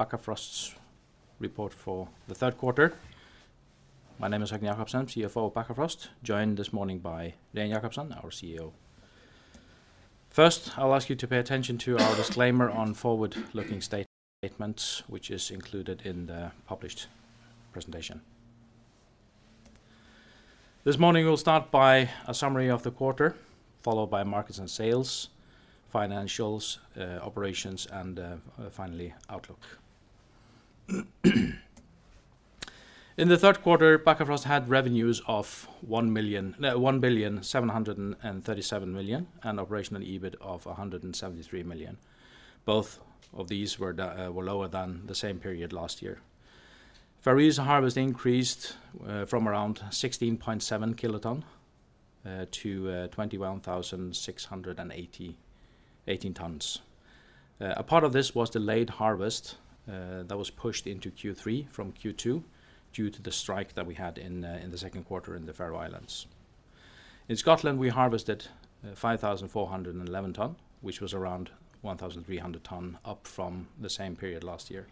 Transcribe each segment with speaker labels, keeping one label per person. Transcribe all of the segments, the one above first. Speaker 1: Bakkafrost's report for the third quarter. My name is Høgni Dahl Jakobsen, CFO of Bakkafrost, joined this morning by Regin Jacobsen, our CEO. First, I'll ask you to pay attention to our disclaimer on forward-looking statements, which is included in the published presentation. This morning, we'll start by a summary of the quarter, followed by markets and sales, financials, operations, and finally, outlook. In the third quarter, Bakkafrost had revenues of 1,737 million and operational EBIT of 173 million. Both of these were lower than the same period last year. Faroes harvest increased from around 16.7 kilotons to 21,680 tons. A part of this was delayed harvest that was pushed into Q3 from Q2 due to the strike that we had in the second quarter in the Faroe Islands. In Scotland, we harvested 5,411 tons, which was around 1,300 tons, up from the same period last year.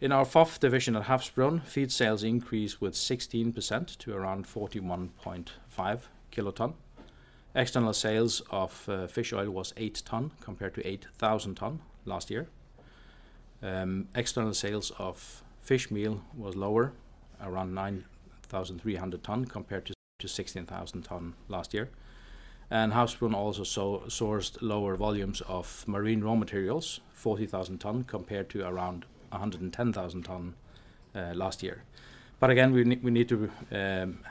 Speaker 1: In our FOF division at Havsbrún, feed sales increased with 16% to around 41.5 kiloton. External sales of fish oil was 8 ton compared to 8,000 ton last year. External sales of fish meal was lower, around 9,300 ton, compared to 16,000 ton last year. And Havsbrún also sourced lower volumes of marine raw materials, 40,000 ton, compared to around 110,000 ton last year. But again, we need to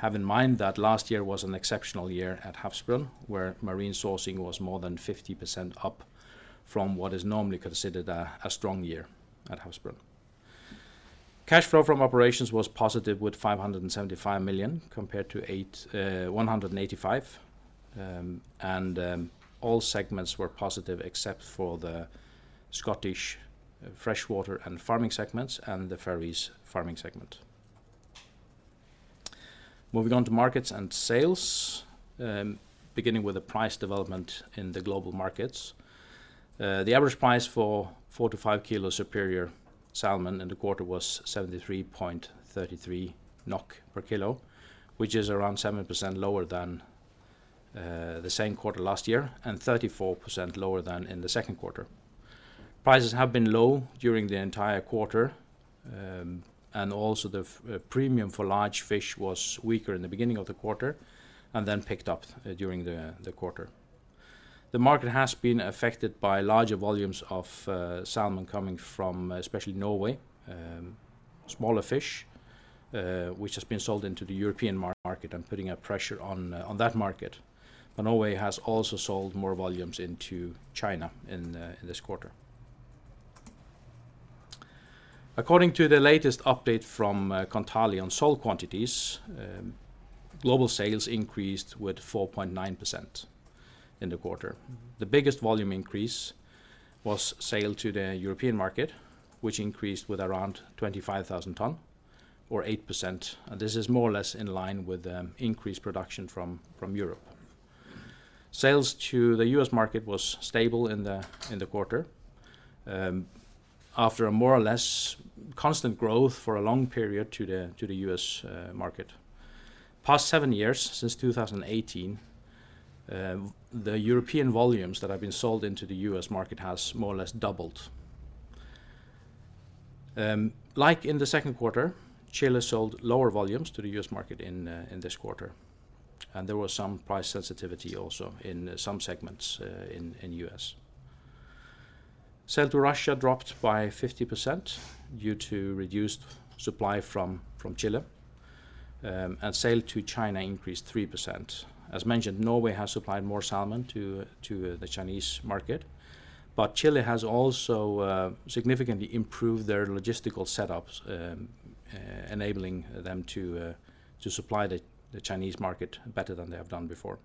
Speaker 1: have in mind that last year was an exceptional year at Havsbrún, where marine sourcing was more than 50% up from what is normally considered a strong year at Havsbrún. Cash flow from operations was positive with 575 million compared to 185 million, and all segments were positive except for the Scottish freshwater and farming segments and the Faroe farming segment. Moving on to markets and sales, beginning with the price development in the global markets. The average price for 4-5 kilo Superior salmon in the quarter was 73.33 NOK per kilo, which is around 7% lower than the same quarter last year and 34% lower than in the second quarter. Prices have been low during the entire quarter, and also the premium for large fish was weaker in the beginning of the quarter and then picked up during the quarter. The market has been affected by larger volumes of salmon coming from, especially Norway, smaller fish, which has been sold into the European market and putting a pressure on that market. Norway has also sold more volumes into China in this quarter. According to the latest update from Kontali on salmon quantities, global sales increased with 4.9% in the quarter. The biggest volume increase was sale to the European market, which increased with around 25,000 ton, or 8%. This is more or less in line with increased production from Europe. Sales to the U.S. market was stable in the quarter after a more or less constant growth for a long period to the U.S. market. Past seven years, since 2018, the European volumes that have been sold into the U.S. market have more or less doubled. Like in the second quarter, Chile sold lower volumes to the U.S. market in this quarter, and there was some price sensitivity also in some segments in the U.S. Sale to Russia dropped by 50% due to reduced supply from Chile, and sale to China increased 3%. As mentioned, Norway has supplied more salmon to the Chinese market, but Chile has also significantly improved their logistical setup, enabling them to supply the Chinese market better than they have done before.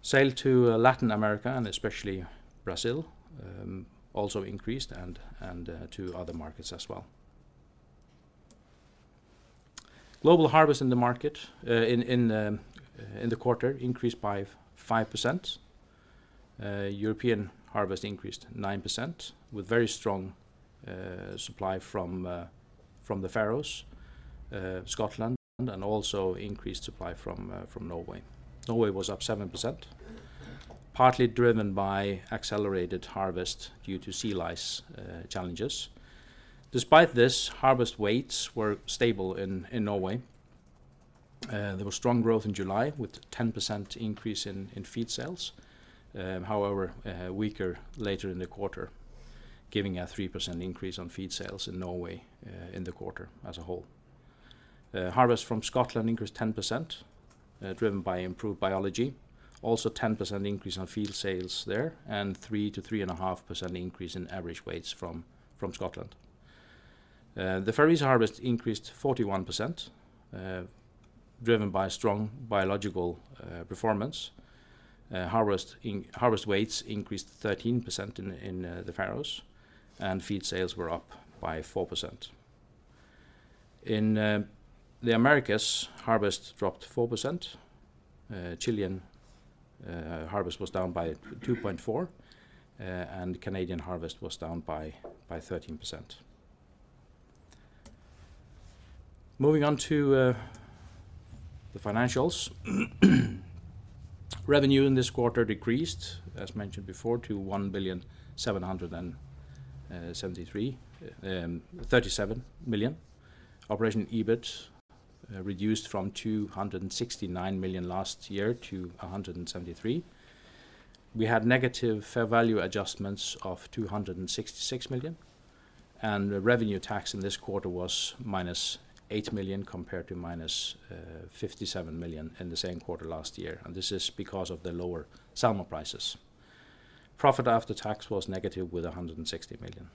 Speaker 1: Sales to Latin America, and especially Brazil, also increased, and to other markets as well. Global harvest in the market in the quarter increased by 5%. European harvest increased 9%, with very strong supply from the Faroes, Scotland, and also increased supply from Norway. Norway was up 7%, partly driven by accelerated harvest due to sea lice challenges. Despite this, harvest weights were stable in Norway. There was strong growth in July with a 10% increase in feed sales, however weaker later in the quarter, giving a 3% increase on feed sales in Norway in the quarter as a whole. Harvest from Scotland increased 10%, driven by improved biology, also a 10% increase on feed sales there, and 3%-3.5% increase in average weights from Scotland. The Faroes harvest increased 41%, driven by strong biological performance. Harvest weights increased 13% in the Faroes, and feed sales were up by 4%. In the Americas, harvest dropped 4%. Chilean harvest was down by 2.4%, and Canadian harvest was down by 13%. Moving on to the financials. Revenue in this quarter decreased, as mentioned before, to 1,773.37 million. Operational EBIT reduced from 269 million last year to 173 million. We had negative fair value adjustments of 266 million, and the revenue tax in this quarter was minus 8 million compared to minus 57 million in the same quarter last year, and this is because of the lower salmon prices. Profit after tax was negative with 160 million.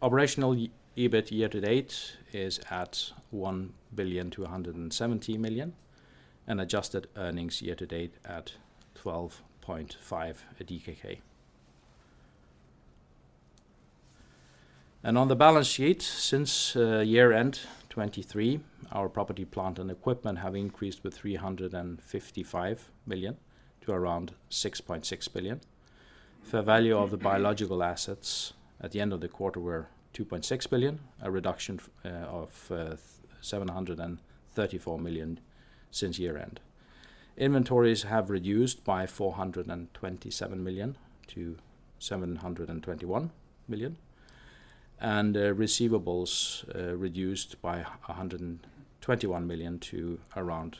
Speaker 1: Operational EBIT year-to-date is at 1,270 million, and adjusted earnings year-to-date at 12.5 DKK. And on the balance sheet, since year-end 2023, our property, plant and equipment have increased with 355 million to around 6.6 billion. Fair value of the biological assets at the end of the quarter were 2.6 billion, a reduction of 734 million since year-end. Inventories have reduced by 427 million to 721 million, and receivables reduced by 121 million to around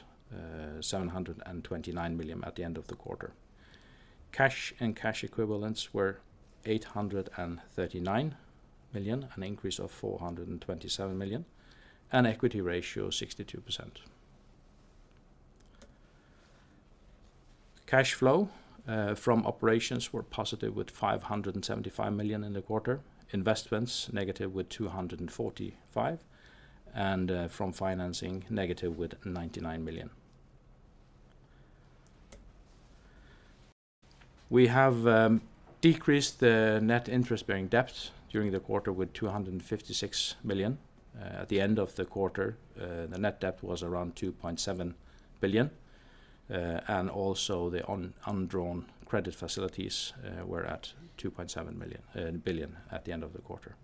Speaker 1: 729 million at the end of the quarter. Cash and cash equivalents were 839 million, an increase of 427 million, and equity ratio 62%. Cash flow from operations were positive with 575 million in the quarter, investments negative with 245 million, and from financing negative with 99 million. We have decreased the net interest-bearing debt during the quarter with 256 million. At the end of the quarter, the net debt was around 2.7 billion, and also the undrawn credit facilities were at 2.7 billion at the end of the quarter.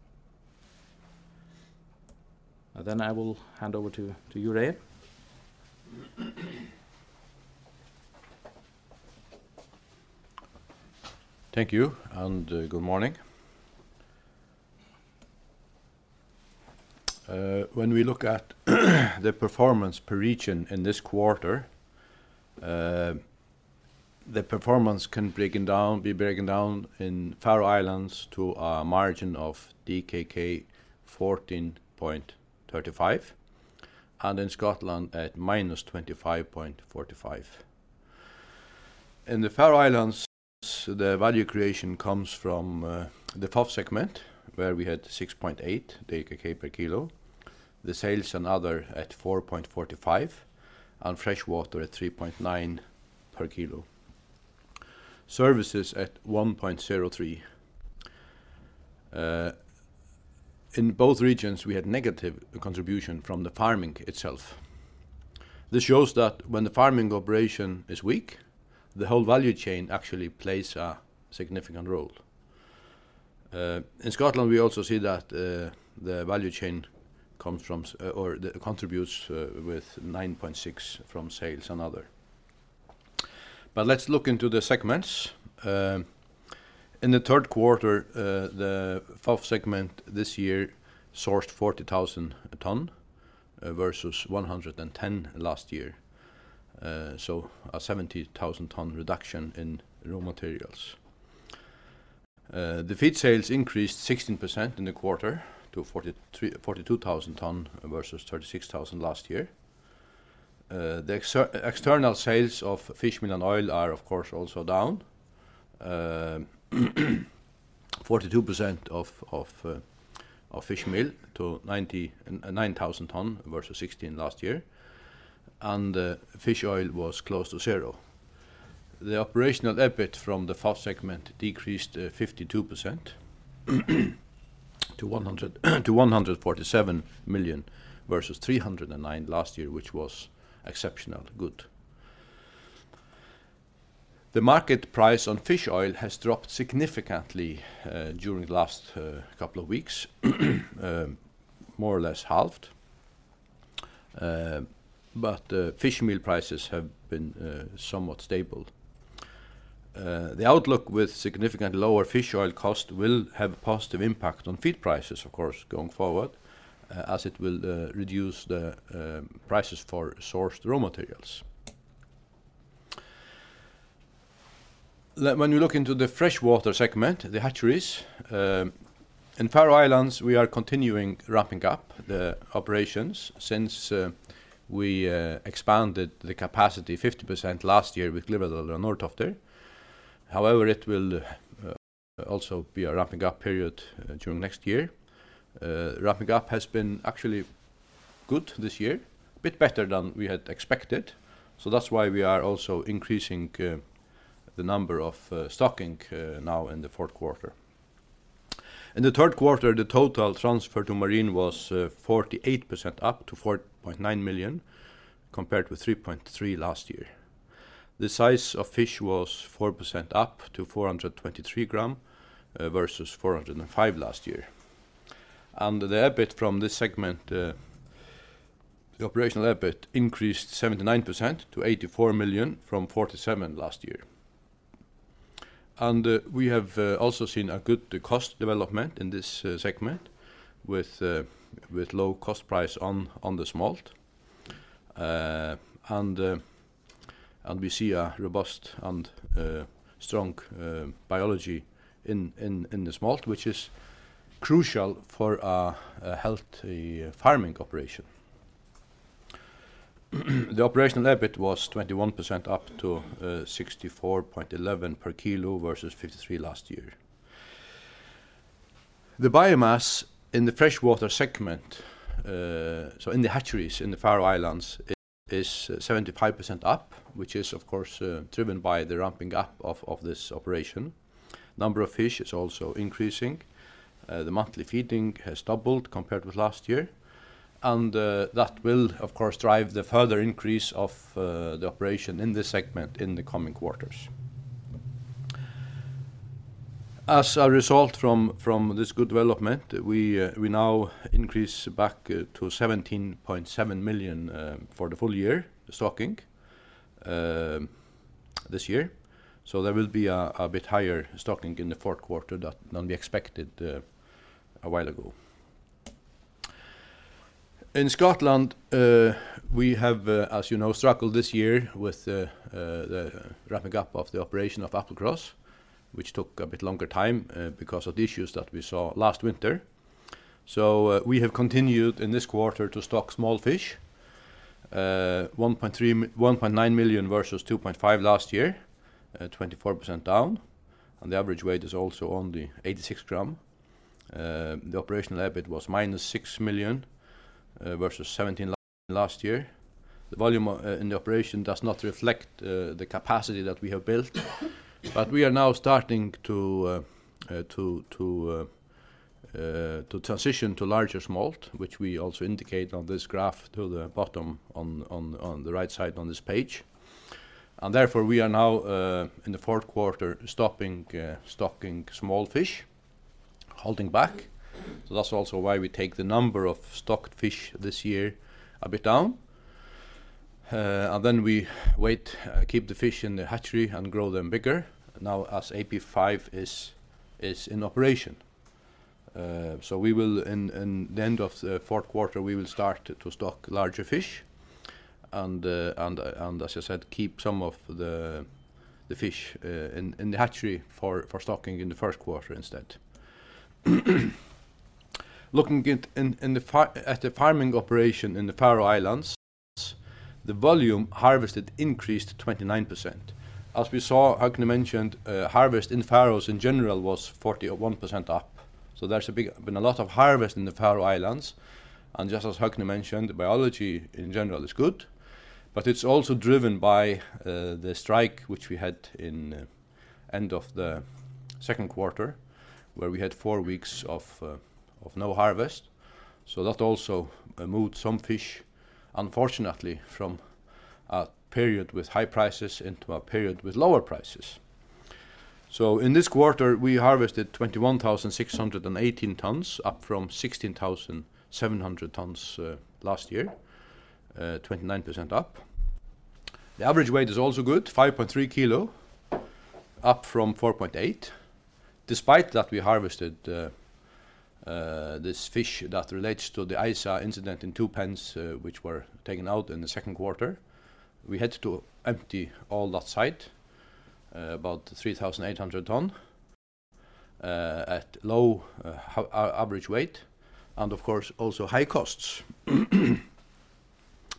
Speaker 1: Then I will hand over to you, Regin.
Speaker 2: Thank you, and good morning. When we look at the performance per region in this quarter, the performance can be broken down in Faroe Islands to a margin of DKK 14.35, and in Scotland at minus 25.45. In the Faroe Islands, the value creation comes from the FOF segment, where we had 6.8 DKK per kilo, the sales and other at 4.45, and freshwater at 3.9 per kilo, services at 1.03. In both regions, we had negative contribution from the farming itself. This shows that when the farming operation is weak, the whole value chain actually plays a significant role. In Scotland, we also see that the value chain comes from or contributes with 9.6 from sales and other. But let's look into the segments. In the third quarter, the FOF segment this year sourced 40,000 ton versus 110 last year, so a 70,000 ton reduction in raw materials. The feed sales increased 16% in the quarter to 42,000 ton versus 36,000 ton last year. The external sales of fish meal and oil are, of course, also down, 42% of fish meal to 9,000 ton versus 16 last year, and fish oil was close to zero. The operational EBIT from the FOF segment decreased 52% to 147 million versus 309 million last year, which was exceptionally good. The market price on fish oil has dropped significantly during the last couple of weeks, more or less halved, but fish meal prices have been somewhat stable. The outlook with significantly lower fish oil cost will have a positive impact on feed prices, of course, going forward, as it will reduce the prices for sourced raw materials. When we look into the freshwater segment, the hatcheries, in Faroe Islands, we are continuing ramping up the operations since we expanded the capacity 50% last year with Glyvradal and Norðtoftir. However, it will also be a ramping up period during next year. Ramping up has been actually good this year, a bit better than we had expected, so that's why we are also increasing the number of stocking now in the fourth quarter. In the third quarter, the total transfer to marine was 48% up to 4.9 million compared with 3.3million last year. The size of fish was 4% up to 423 g versus 405 g last year. And the EBIT from this segment, the operational EBIT increased 79% to 84 million from 47 million last year. We have also seen a good cost development in this segment with low cost price on the smolt, and we see a robust and strong biology in the smolt, which is crucial for a healthy farming operation. The operational EBIT was 21% up to 64.11 per kilo versus 53 last year. The biomass in the freshwater segment, so in the hatcheries in the Faroe Islands, is 75% up, which is, of course, driven by the ramping up of this operation. Number of fish is also increasing. The monthly feeding has doubled compared with last year, and that will, of course, drive the further increase of the operation in this segment in the coming quarters. As a result from this good development, we now increase back to 17.7 million for the full year stocking this year, so there will be a bit higher stocking in the fourth quarter than we expected a while ago. In Scotland, we have, as you know, struggled this year with the ramping up of the operation of Applecross, which took a bit longer time because of the issues that we saw last winter. So we have continued in this quarter to stock small fish, 1.9 million versus 2.5 million last year, 24% down, and the average weight is also only 86 g. The operational EBIT was minus 6 million versus 17 last year. The volume in the operation does not reflect the capacity that we have built, but we are now starting to transition to larger smolt, which we also indicate on this graph to the bottom on the right side on this page, and therefore, we are now in the fourth quarter stopping stocking smolt, holding back, so that's also why we take the number of stocked fish this year a bit down, and then we keep the fish in the hatchery and grow them bigger now as AP5 is in operation, so in the end of the fourth quarter, we will start to stock larger fish and, as I said, keep some of the fish in the hatchery for stocking in the first quarter instead. Looking at the farming operation in the Faroe Islands, the volume harvested increased 29%. As we saw, Høgni mentioned, harvest in the Faroe Islands in general was 41% up, so there's been a lot of harvest in the Faroe Islands, and just as Høgni mentioned, biology in general is good, but it's also driven by the strike which we had in the end of the second quarter, where we had four weeks of no harvest, so that also moved some fish, unfortunately, from a period with high prices into a period with lower prices. So in this quarter, we harvested 21,618 tons, up from 16,700 tons last year, 29% up. The average weight is also good, 5.3 kg up from 4.8 kg. Despite that, we harvested this fish that relates to the ISA incident in two pens, which were taken out in the second quarter. We had to empty all that site, about 3,800 ton, at low average weight, and of course, also high costs.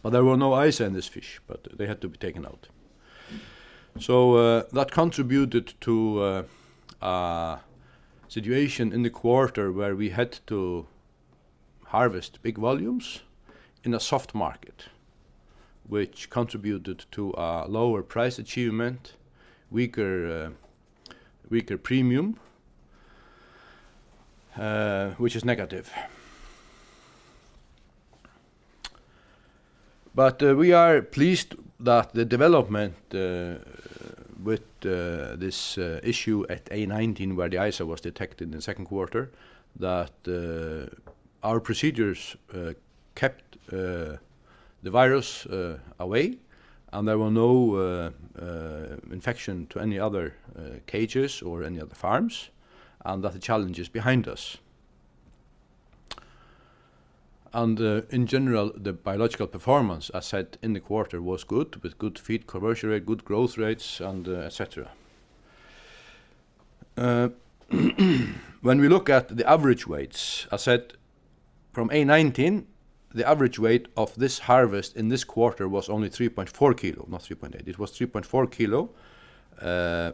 Speaker 2: But there were no eyes on this fish, but they had to be taken out. So that contributed to a situation in the quarter where we had to harvest big volumes in a soft market, which contributed to a lower price achievement, weaker premium, which is negative. But we are pleased that the development with this issue at A19, where the ISA was detected in the second quarter, that our procedures kept the virus away, and there were no infection to any other cages or any other farms, and that the challenge is behind us. And in general, the biological performance, as said in the quarter, was good, with good feed conversion rate, good growth rates, and etc. When we look at the average weights, as said from A19, the average weight of this harvest in this quarter was only 3.4 kg, not 3.8 kg. It was 3.4 kg,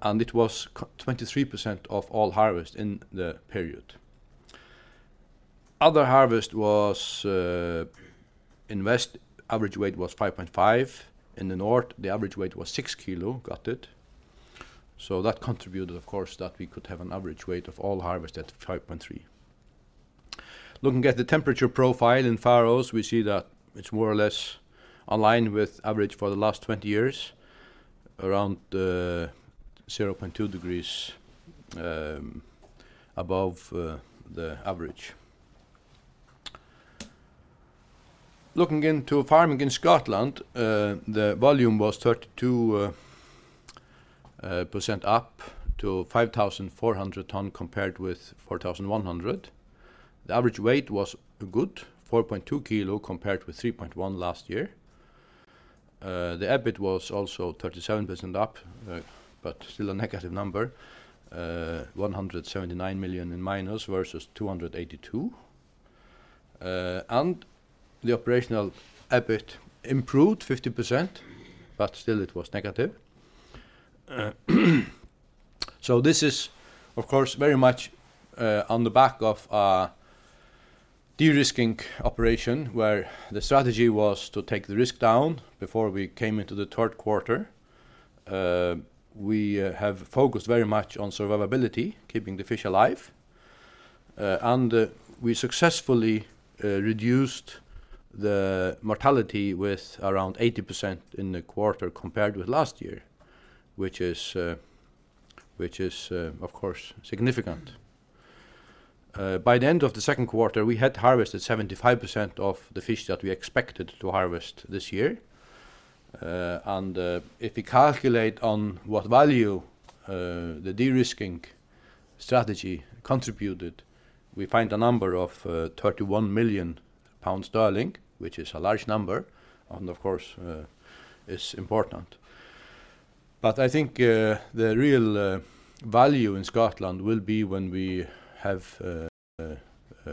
Speaker 2: and it was 23% of all harvest in the period. Other harvest was average weight 5.5 kg. In the north, the average weight was 6 kg, gutted, so that contributed, of course, that we could have an average weight of all harvest at 5.3 kg. Looking at the temperature profile in Faroes, we see that it's more or less aligned with average for the last 20 years, around 0.2 degrees above the average. Looking into farming in Scotland, the volume was 32% up to 5,400 ton compared with 4,100 ton. The average weight was good, 4.2 kg compared with 3.1 kg last year. The EBIT was also 37% up, but still a negative number, 179 million in minus versus 282 million. The operational EBIT improved 50%, but still it was negative. This is, of course, very much on the back of a de-risking operation where the strategy was to take the risk down before we came into the third quarter. We have focused very much on survivability, keeping the fish alive, and we successfully reduced the mortality with around 80% in the quarter compared with last year, which is, of course, significant. By the end of the second quarter, we had harvested 75% of the fish that we expected to harvest this year, and if we calculate on what value the de-risking strategy contributed, we find a number of 31 million pounds, which is a large number and, of course, is important. I think the real value in Scotland will be when we have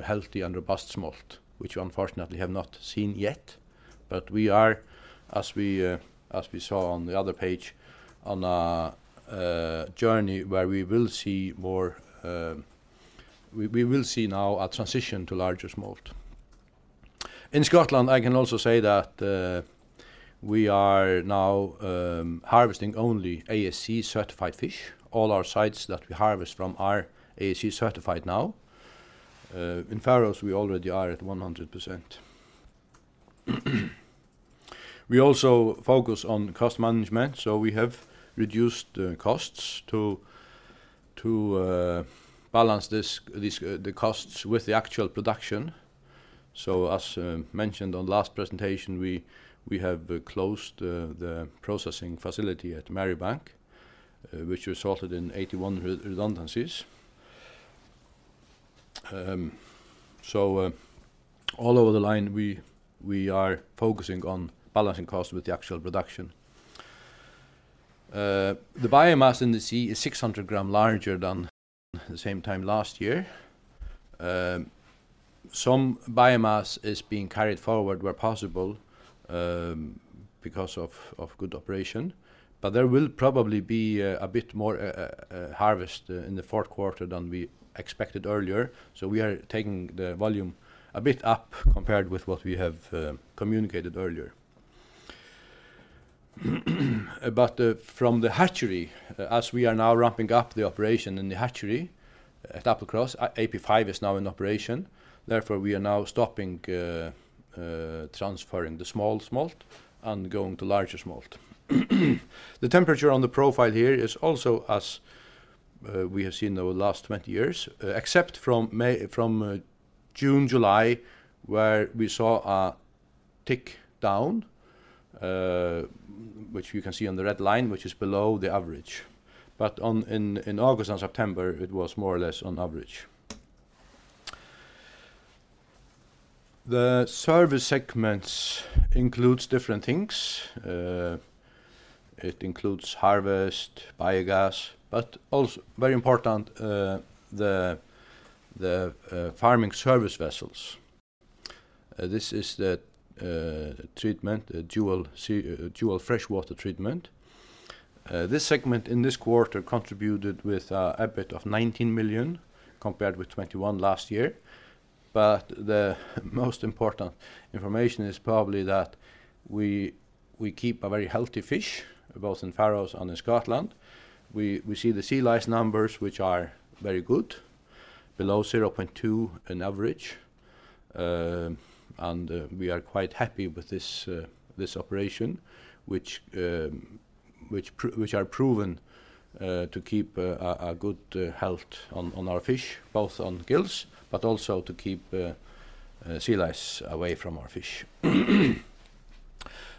Speaker 2: healthy and robust smolt, which we unfortunately have not seen yet, but we are, as we saw on the other page, on a journey where we will see more. We will see now a transition to larger smolt. In Scotland, I can also say that we are now harvesting only ASC certified fish. All our sites that we harvest from are ASC certified now. In Faroes, we already are at 100%. We also focus on cost management, so we have reduced costs to balance the costs with the actual production. As mentioned on the last presentation, we have closed the processing facility at Marybank, which resulted in 81 redundancies. All over the line, we are focusing on balancing costs with the actual production. The biomass in the sea is 600 g larger than the same time last year. Some biomass is being carried forward where possible because of good operation, but there will probably be a bit more harvest in the fourth quarter than we expected earlier, so we are taking the volume a bit up compared with what we have communicated earlier. But from the hatchery, as we are now ramping up the operation in the hatchery at Applecross, AP5 is now in operation. Therefore, we are now stopping transferring the small smolt and going to larger smolt. The temperature on the profile here is also as we have seen over the last 20 years, except from June, July, where we saw a tick down, which you can see on the red line, which is below the average. But in August and September, it was more or less on average. The service segments include different things. It includes harvest, biogas, but also very important, the farming service vessels. This is the treatment, the dual freshwater treatment. This segment in this quarter contributed with an EBIT of 19 million compared with 21 million last year, but the most important information is probably that we keep a very healthy fish, both in Faroes and in Scotland. We see the sea lice numbers, which are very good, below 0.2 on average, and we are quite happy with this operation, which are proven to keep a good health on our fish, both on gills, but also to keep sea lice away from our fish.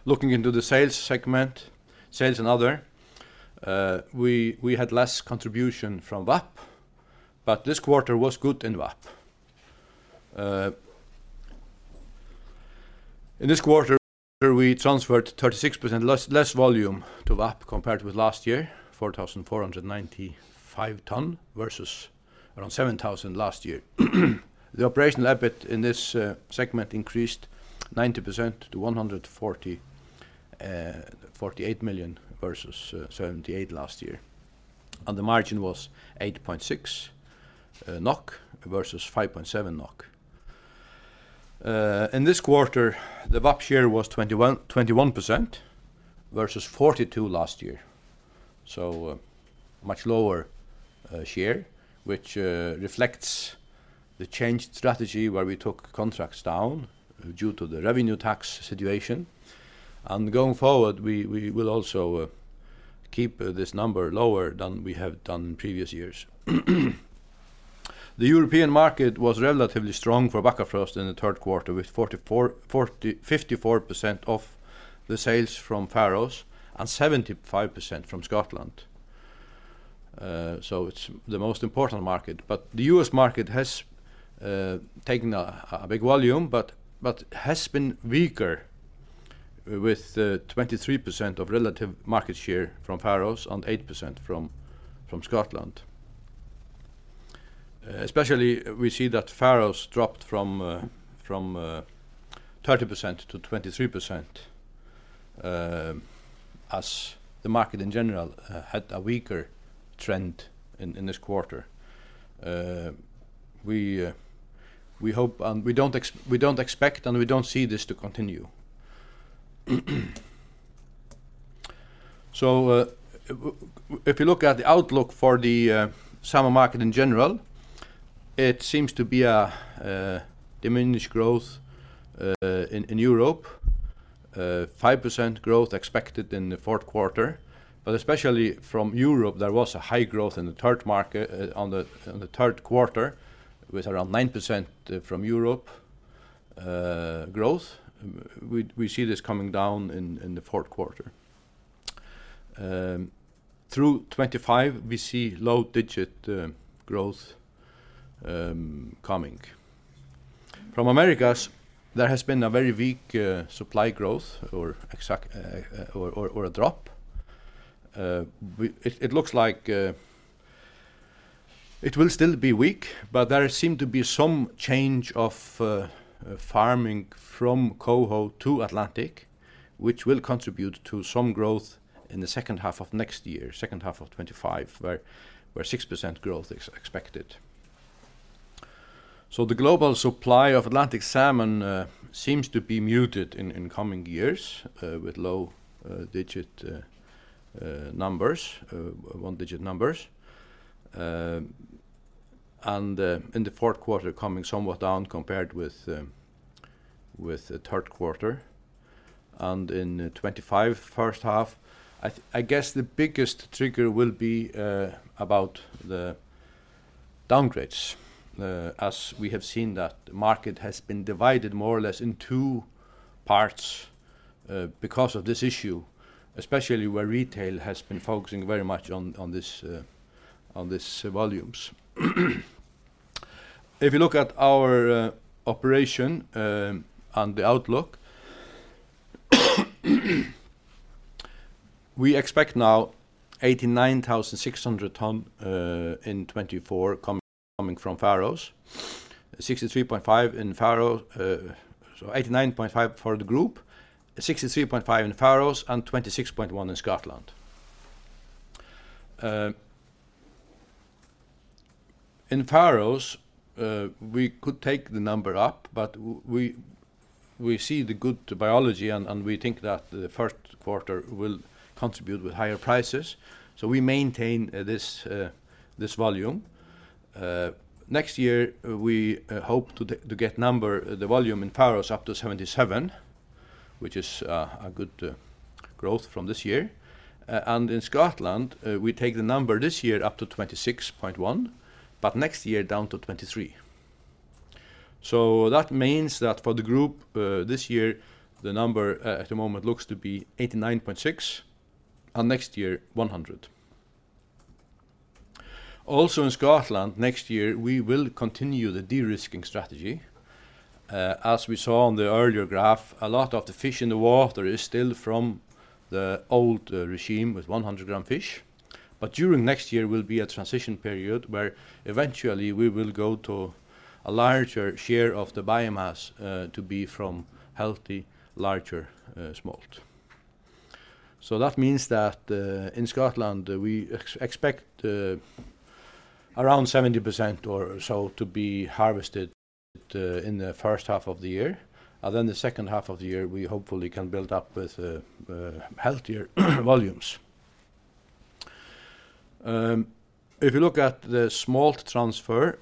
Speaker 2: Looking into the sales segment, sales and other, we had less contribution from VAP, but this quarter was good in VAP. In this quarter, we transferred 36% less volume to VAP compared with last year, 4,495 tons versus around 7,000 last year. The operational EBIT in this segment increased 90% to 148 million versus 78 million last year, and the margin was 8.6 NOK versus 5.7 NOK. In this quarter, the VAP share was 21% versus 42% last year, so a much lower share, which reflects the changed strategy where we took contracts down due to the revenue tax situation, and going forward, we will also keep this number lower than we have done in previous years. The European market was relatively strong for Bakkafrost in the third quarter, with 54% of the sales from Faroes and 75% from Scotland, so it's the most important market, but the U.S. market has taken a big volume but has been weaker with 23% of relative market share from Faroes and 8% from Scotland. Especially, we see that Faroes dropped from 30% to 23% as the market in general had a weaker trend in this quarter. We hope and we don't expect and we don't see this to continue. So if you look at the outlook for the summer market in general, it seems to be a diminished growth in Europe, 5% growth expected in the fourth quarter, but especially from Europe, there was a high growth in the third quarter with around 9% from Europe growth. We see this coming down in the fourth quarter. Through 2025, we see low-digit growth coming. From Americas, there has been a very weak supply growth or a drop. It looks like it will still be weak, but there seem to be some change of farming from Coho to Atlantic, which will contribute to some growth in the second half of next year, second half of 2025, where 6% growth is expected, so the global supply of Atlantic salmon seems to be muted in coming years with low-digit numbers, one-digit numbers, and in the fourth quarter coming somewhat down compared with the third quarter, and in 2025, first half, I guess the biggest trigger will be about the downgrades, as we have seen that the market has been divided more or less in two parts because of this issue, especially where retail has been focusing very much on these volumes. If you look at our operation and the outlook, we expect now 89,600 tons in 2024 coming from Faroes, so 89.5 for the group, 63.5 in Faroes, and 26.1 in Scotland. In Faroes, we could take the number up, but we see the good biology, and we think that the first quarter will contribute with higher prices, so we maintain this volume. Next year, we hope to get the volume in Faroes up to 77, which is a good growth from this year. And in Scotland, we take the number this year up to 26.1, but next year down to 23. So that means that for the group this year, the number at the moment looks to be 89.6, and next year 100. Also in Scotland, next year, we will continue the de-risking strategy. As we saw on the earlier graph, a lot of the fish in the water is still from the old regime with 100 g fish, but during next year, we'll be at a transition period where eventually we will go to a larger share of the biomass to be from healthy, larger smolt. So that means that in Scotland, we expect around 70% or so to be harvested in the first half of the year, and then the second half of the year, we hopefully can build up with healthier volumes. If you look at the smolt transfer,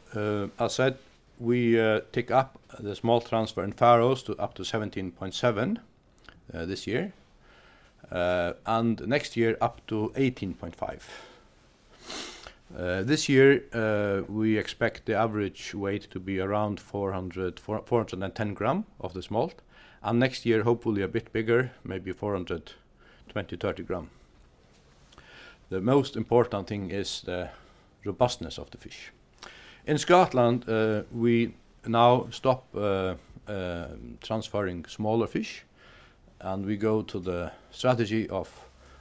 Speaker 2: as said, we take up the smolt transfer in Faroes up to 17.7 this year, and next year up to 18.5. This year, we expect the average weight to be around 410 g of the smolt, and next year, hopefully a bit bigger, maybe 420 g, 430 g. The most important thing is the robustness of the fish. In Scotland, we now stop transferring smaller fish, and we go to the strategy of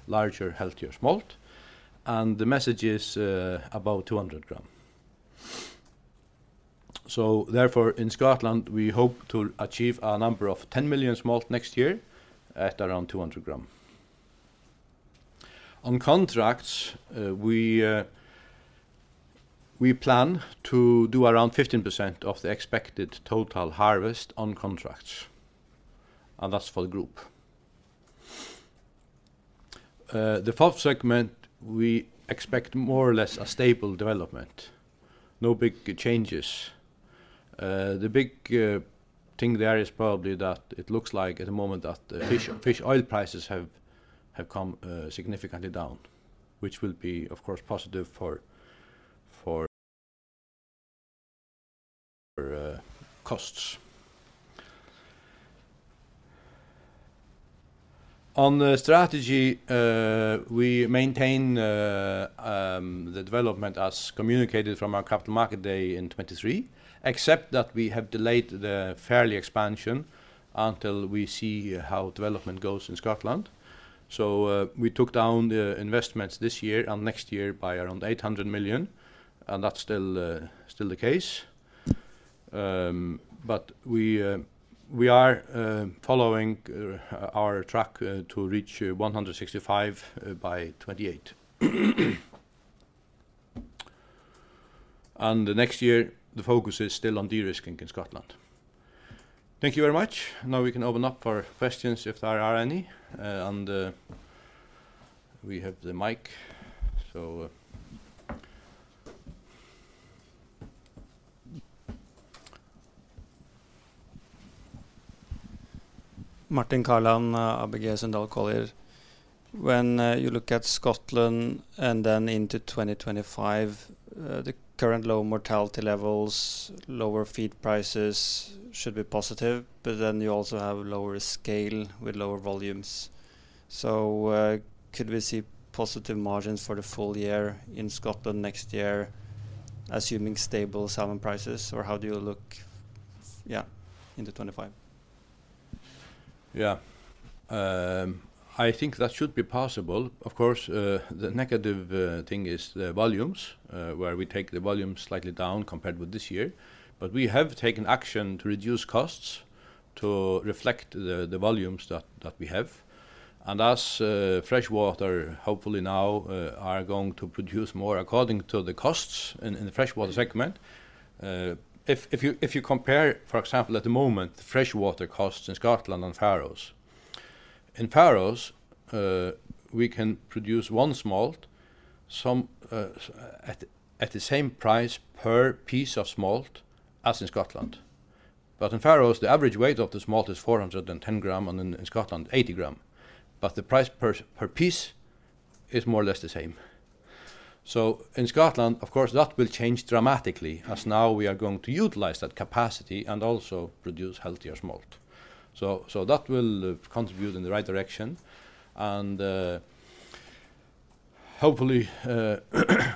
Speaker 2: larger, healthier smolt, and the average is about 200 g. So therefore, in Scotland, we hope to achieve a number of 10 million smolt next year at around 200 g. On contracts, we plan to do around 15% of the expected total harvest on contracts, and that's for the group. The fourth segent, we expect more or less a stable development, no big changes. The big thing there is probably that it looks like at the moment that fish oil prices have come significantly down, which will be, of course, positive for costs. On the strategy, we maintain the development as communicated from our Capital Markets Day in 2023, except that we have delayed the farming expansion until we see how development goes in Scotland. We took down the investments this year and next year by around 800 million, and that's still the case. But we are following our track to reach 165 million by 2028. And next year, the focus is still on de-risking in Scotland. Thank you very much. Now we can open up for questions if there are any, and we have the mic, so.
Speaker 3: Martin Kaland, ABG Sundal Collier. When you look at Scotland and then into 2025, the current low mortality levels, lower feed prices should be positive, but then you also have lower scale with lower volumes. So could we see positive margins for the full year in Scotland next year, assuming stable salmon prices, or how do you look, yeah, into 2025?
Speaker 2: Yeah. I think that should be possible. Of course, the negative thing is the volumes where we take the volumes slightly down compared with this year, but we have taken action to reduce costs to reflect the volumes that we have. And as freshwater, hopefully now, are going to produce more according to the costs in the freshwater segment. If you compare, for example, at the moment, freshwater costs in Scotland and Faroes. In Faroes, we can produce one smolt at the same price per piece of smolt as in Scotland. But in Faroes, the average weight of the smolt is 410 g, and in Scotland, 80 g. But the price per piece is more or less the same. So in Scotland, of course, that will change dramatically as now we are going to utilize that capacity and also produce healthier smolt. So that will contribute in the right direction, and hopefully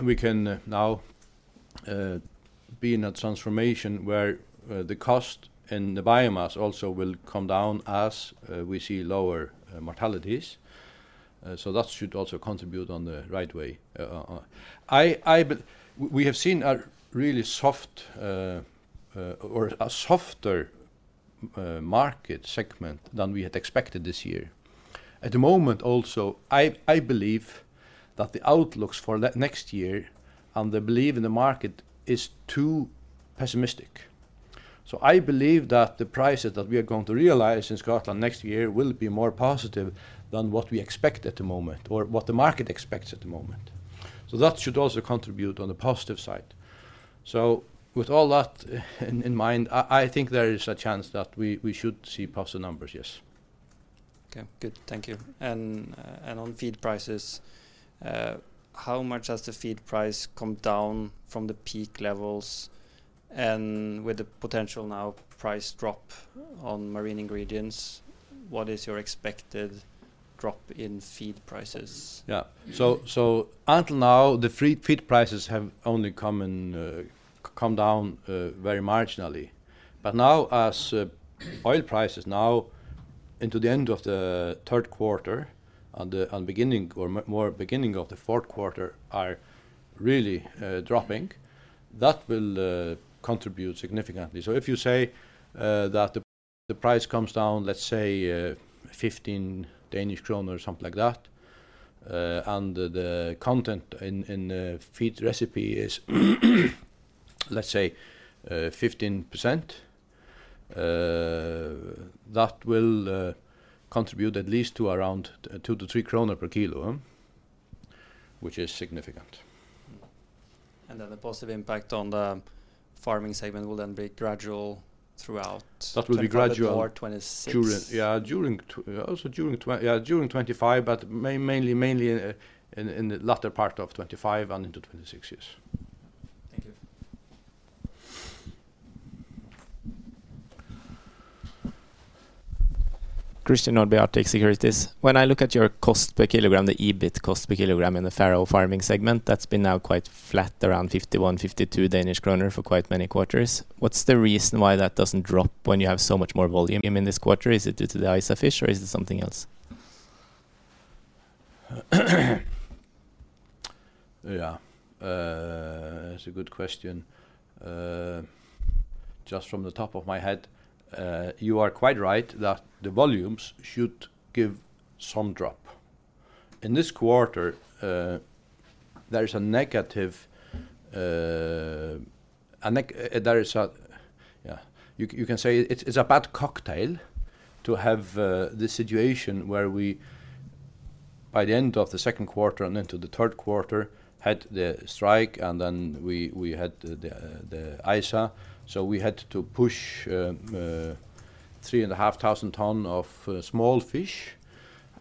Speaker 2: we can now be in a transformation where the cost and the biomass also will come down as we see lower mortalities. So that should also contribute on the right way. We have seen a really a softer market segment than we had expected this year. At the moment, also, I believe that the outlooks for next year and the belief in the market is too pessimistic. So I believe that the prices that we are going to realize in Scotland next year will be more positive than what we expect at the moment or what the market expects at the moment. So that should also contribute on the positive side. So with all that in mind, I think there is a chance that we should see positive numbers, yes.
Speaker 3: Okay. Good. Thank you. And on feed prices, how much has the feed price come down from the peak levels? And with the potential now price drop on marine ingredients, what is your expected drop in feed prices?
Speaker 2: Yeah. So until now, the feed prices have only come down very marginally. But now, as oil prices now into the end of the third quarter and beginning or more beginning of the fourth quarter are really dropping, that will contribute significantly. So if you say that the price comes down, let's say, 15 Danish kroner or something like that, and the content in the feed recipe is, let's say, 15%, that will contribute at least to around 2-3 kroner per kilo, which is significant.
Speaker 3: And then the positive impact on the farming segment will then be gradual throughout.
Speaker 2: That will be gradual. Yeah, also during 2025, but mainly in the latter part of 2025 and into 2026, yes.
Speaker 3: Thank you.
Speaker 4: Christian Nordby, Kepler Cheuvreux. When I look at your cost per kilogram, the EBIT cost per kilogram in the Faroe farming segment, that's been now quite flat, around 51-52 Danish kroner for quite many quarters. What's the reason why that doesn't drop when you have so much more volume in this quarter? Is it due to the ISA, or is it something else?
Speaker 2: Yeah. That's a good question. Just from the top of my head, you are quite right that the volumes should give some drop. In this quarter, there is a negative, you can say it's a bad cocktail to have this situation where we, by the end of the second quarter and into the third quarter, had the strike, and then we had the ISA. So, we had to push 3.5 tons of small fish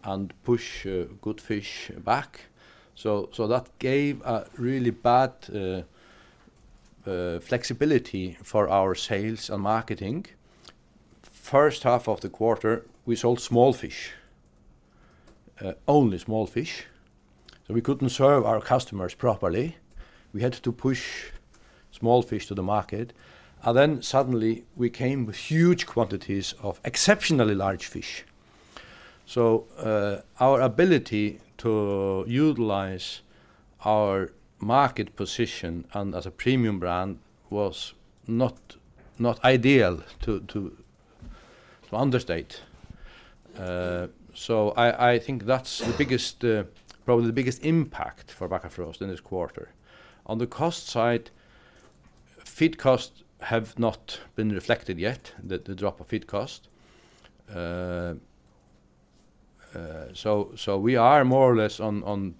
Speaker 2: and push good fish back. That gave a really bad flexibility for our sales and marketing. First half of the quarter, we sold small fish, only small fish. So, we couldn't serve our customers properly. We had to push small fish to the market. And then suddenly, we came with huge quantities of exceptionally large fish. So, our ability to utilize our market position and as a premium brand was not ideal to understate. I think that's probably the biggest impact for Bakkafrost in this quarter. On the cost side, feed costs have not been reflected yet, the drop of feed cost. So, we are more or less on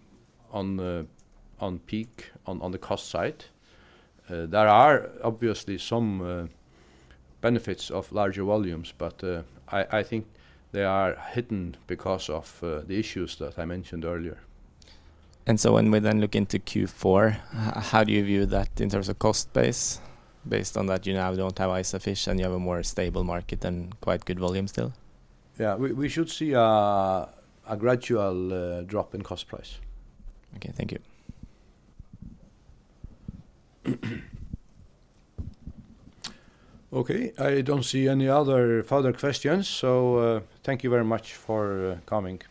Speaker 2: peak on the cost side. There are obviously some benefits of larger volumes, but I think they are hidden because of the issues that I mentioned earlier.
Speaker 4: So when we then look into Q4, how do you view that in terms of cost base based on that you now don't have ISA fish and you have a more stable market and quite good volume still?
Speaker 2: Yeah. We should see a gradual drop in cost price.
Speaker 4: Okay. Thank you.
Speaker 2: Okay. I don't see any other further questions, so thank you very much for coming.